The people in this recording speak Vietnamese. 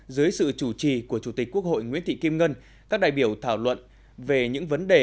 dưới sự chủ trì của chủ tịch quốc hội nguyễn thị kim ngân các đại biểu thảo luận về những vấn đề